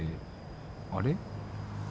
あれ？